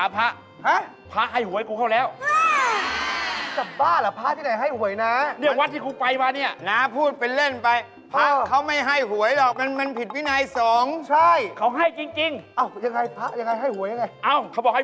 เป็นอย่างไรทำไมเข้าวัดบ่อย